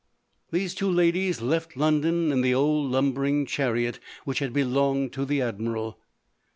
These two ladies left London in the old lumbering chariot which had belonged to the Admiral.